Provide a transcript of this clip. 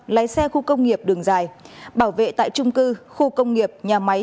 lái xe khu công nghiệp đường dài bảo vệ tại trung cư khu công nghiệp nhà máy